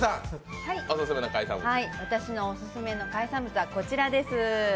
私のオススメの海産物はこちらです。